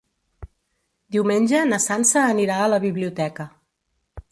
Diumenge na Sança anirà a la biblioteca.